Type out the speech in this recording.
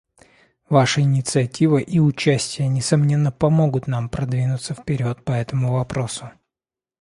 Ваша инициатива и участие, несомненно, помогут нам продвинуться вперед по этому вопросу.